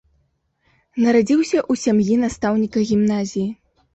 Нарадзіўся ў сям'і настаўніка гімназіі.